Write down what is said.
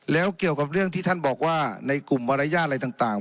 แล้วเกี่ยวกับเรื่องที่ท่านบอกว่าในกลุ่มมารยาทอะไรต่าง